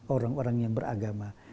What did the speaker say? orang orang yang beragama